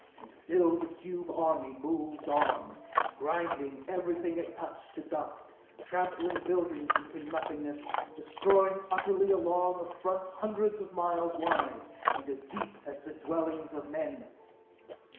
And still the cube army moved in, grinding everything it touched to dust, trampling buildings into nothingness, destroying utterly along a front hundreds of miles wide, and as deep as the dwellings of men!